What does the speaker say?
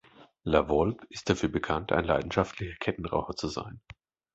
La Volpe ist dafür bekannt, ein leidenschaftlicher Kettenraucher zu sein.